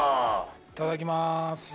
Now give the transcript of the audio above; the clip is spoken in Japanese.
いただきます。